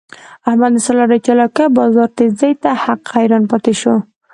احمد د سارې چالاکی او بازار تېزۍ ته حق حیران پاتې شو.